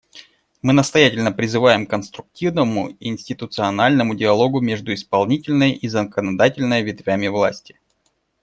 Мы настоятельно призываем к конструктивному институциональному диалогу между исполнительной и законодательной ветвями власти.